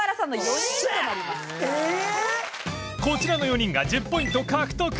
こちらの４人が１０ポイント獲得